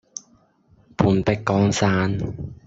半壁江山